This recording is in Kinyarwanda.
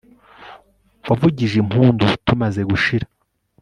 wavugije impundu tumaze gushira